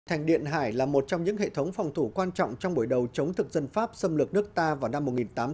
thành điện hải là một trong những hệ thống phòng thủ quan trọng trong buổi đầu chống thực dân pháp xâm lược nước ta vào năm một nghìn tám trăm linh